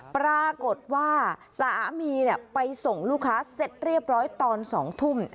ปรากฏว่าสามีไปส่งลูกค้าเสร็จเรียบร้อยตอน๒ทุ่ม